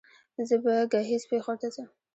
زه به ګهيځ پېښور ته ځم